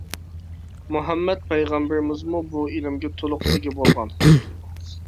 مۇھەممەد پەيغەمبىرىمىزمۇ بۇ ئىلىمگە تولۇق ئىگە بولغان.